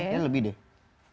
ya lebih deh